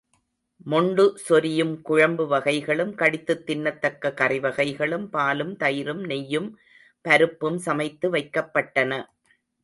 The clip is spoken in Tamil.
மொண்டு சொரியும் குழம்பு வகைகளும், கடித்துத் தின்னத்தக்க கறிவகைகளும், பாலும், தயிரும், நெய்யும், பருப்பும் சமைத்து வைக்கப்பட்டன.